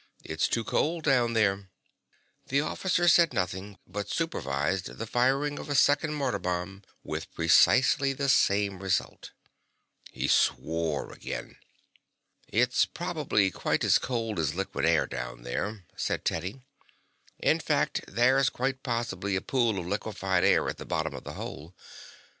"It's too cold down there." The officer said nothing, but supervised the firing of a second mortar bomb with precisely the same result. He swore again. "It's probably quite as cold as liquid air down there," said Teddy. "In fact, there's quite possibly a pool of liquified air at the bottom of the hole.